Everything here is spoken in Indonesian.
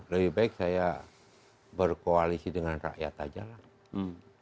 lebih baik saya berkoalisi dengan rakyat aja lah